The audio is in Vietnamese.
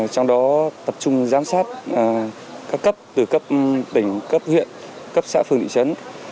trong đó tập trung giám sát các cấp từ cấp tỉnh cấp huyện cấp xã phường thị trấn